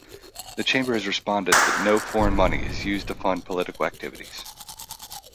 The Chamber has responded that No foreign money is used to fund political activities.